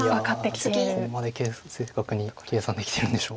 いやどこまで正確に計算できてるんでしょう。